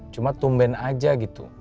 cuma tumben aja gitu